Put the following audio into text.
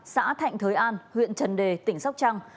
xã thạnh thới an huyện trần đề tỉnh sóc trăng